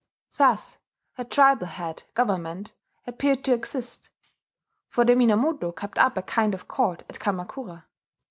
Thus a triple headed government appeared to exist; for the Minamoto kept up a kind of court at Kamakura.